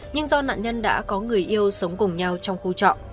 nhưng do nạn nhân đã có người yêu sống cùng nhau trong khu trọ